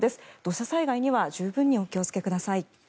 土砂災害には十分にお気をつけください。